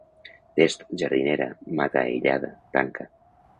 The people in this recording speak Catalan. Test, jardinera, mata aïllada, tanca.